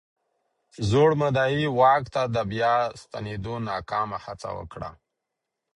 زوړ مدعي واک ته د بیا ستنېدو ناکامه هڅه وکړه.